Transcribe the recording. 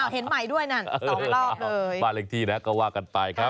เห็นใหม่ด้วยนั่น๒รอบบ้านเลขที่นะก็ว่ากันไปครับ